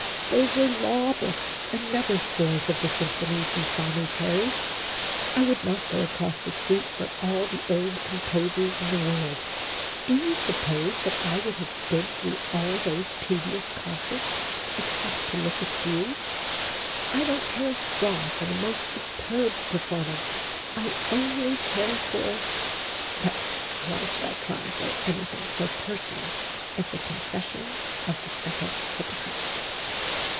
Those were law books, and never scores of the symphonies, you saw me carry. I would not go across the street for all the old com posers in the world ! Do you suppose that I would have stood through all those tedious concerts, except to look at you ? I don't care a straw for the most superb performance I only care for But why should I chronicle anything so personal as the confession of the second hypocrite